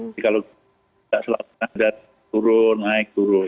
jadi kalau tidak selesai